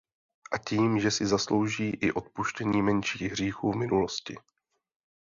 A tím že si zaslouží i odpuštění menších hříchů v minulosti.